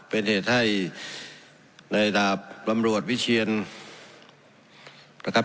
เป็นเหตุให้ในดาบตำรวจวิเชียนนะครับ